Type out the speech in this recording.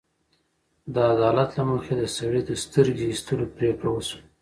د عدالت له مخې د سړي د سترګې ایستلو پرېکړه وشوه.